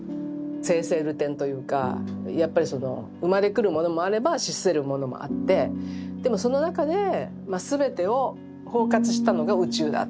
生々流転というかやっぱりその生まれ来るものもあれば死するものもあってでもその中で全てを包括したのが宇宙だっていうような。